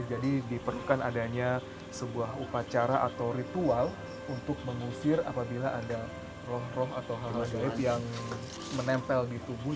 jadi diperlukan adanya sebuah upacara atau ritual untuk mengusir apabila ada roh roh atau hal hal jahit yang menempel di tubuh